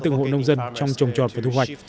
từng hộ nông dân trong trồng trọt và thu hoạch